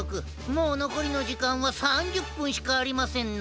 もうのこりのじかんは３０ぷんしかありませんな。